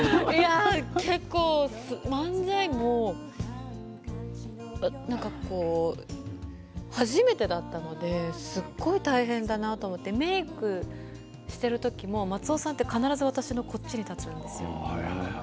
結構、漫才も初めてだったのですごい大変だなと思ってメークをしている時も松尾さんは、必ず私の左側に立つんです。